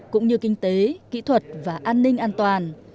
cũng như kinh tế kỹ thuật và an ninh an toàn